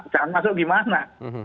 jangan masuk gimana